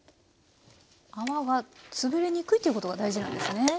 泡がつぶれにくいということが大事なんですね。